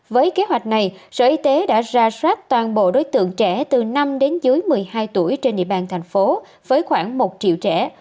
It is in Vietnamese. với kế hoạch này sở y tế đã ra soát toàn bộ đối tượng trẻ từ năm đến dưới một mươi hai tuổi trên địa bàn thành phố với khoảng một triệu trẻ